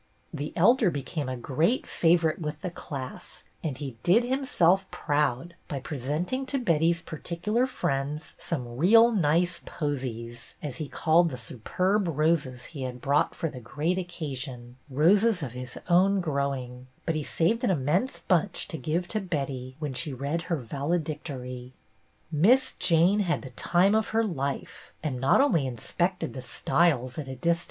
The Elder became a great favorite with the class, and he "did himself proud " by presenting to Betty's j^articular friends some " real nice posies," as he called the superb roses he had brought for the great occasion, roses of his own growing; but he saved an immense bunch to give to Betty when she read her valedictory. Miss Jane had the "time of her life," and not only inspected the " styles " at a distance.